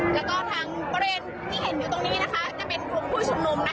แล้วก็ทางประเด็นที่เห็นอยู่ตรงนี้นะคะจะเป็นกลุ่มผู้ชุมนุมนะคะ